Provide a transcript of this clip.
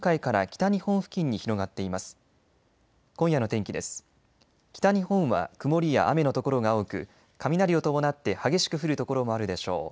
北日本は曇りや雨の所が多く雷を伴って激しく降る所もあるでしょう。